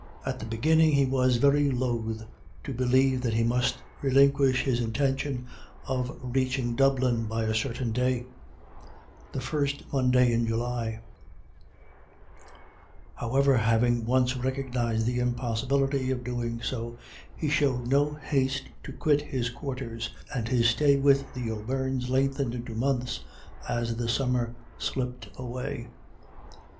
At the beginning he was very loth to believe that he must relinquish his intention of reaching Dublin by a certain date the first Monday in July; however, having once recognised the impossibility of doing so, he showed no haste to quit his quarters, and his stay with the O'Beirnes lengthened into months as the summer slipped away.